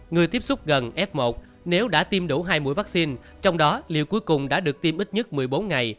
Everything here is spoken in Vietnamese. người tiếp xúc gần f một nếu đã tiêm đủ hai mũi vaccine trong đó liều cuối cùng đã được tiêm ít nhất một mươi bốn ngày